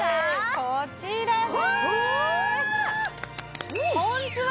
こちらですうわ